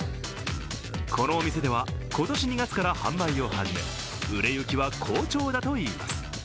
このお店では今年２月から販売を始め売れ行きは好調だといいます。